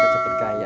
kita cepet kaya